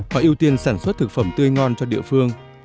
họ ưu tiên sản xuất thực phẩm tươi ngon cho địa phương